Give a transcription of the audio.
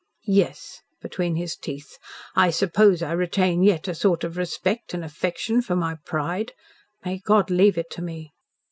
"Yes," between his teeth. "I suppose I retain yet a sort of respect and affection for my pride. May God leave it to me!"